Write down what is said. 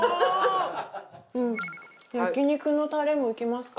焼肉のタレもいきますか。